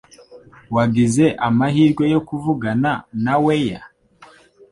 Wagize amahirwe yo kuvugana na Weya?